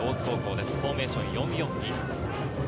フォーメーション４−４−２。